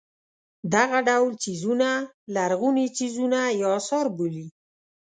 دغه ډول څیزونه لرغوني څیزونه یا اثار بولي.